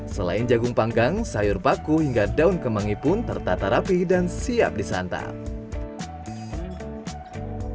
selain jagung panggang sayur paku hingga daun kemangi pun tertata rapi dan siap disantap